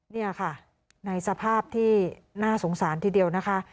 นี่ค่ะในสภาพที่น่าสงสารทีเดียวนะคะ